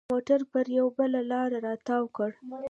موټر پر یوه بله لاره را تاو کړ.